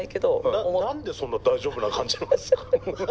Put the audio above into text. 何でそんな大丈夫な感じなんですか？